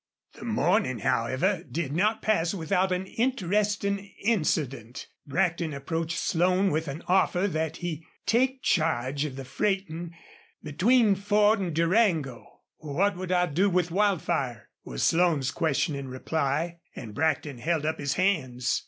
The morning, however, did not pass without an interesting incident. Brackton approached Slone with an offer that he take charge of the freighting between the Ford and Durango. "What would I do with Wildfire?" was Slone's questioning reply, and Brackton held up his hands.